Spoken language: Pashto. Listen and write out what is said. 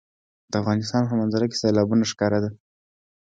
د افغانستان په منظره کې سیلابونه ښکاره ده.